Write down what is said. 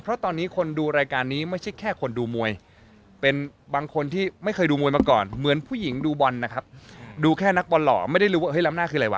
เพราะตอนนี้คนดูรายการนี้ไม่ใช่แค่คนดูมวยเป็นบางคนที่ไม่เคยดูมวยมาก่อนเหมือนผู้หญิงดูบอลนะครับดูแค่นักบอลหล่อไม่ได้รู้ว่าเฮ้ล้ำหน้าคืออะไรวะ